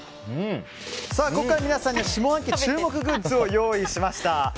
ここからは皆さんに下半期注目グッズを用意しました。